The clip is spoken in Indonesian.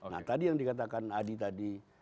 nah tadi yang dikatakan adi tadi